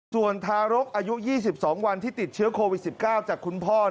ส่วนทารกอายุ๒๒วันที่ติดเชื้อโควิด๑๙จากคุณพ่อ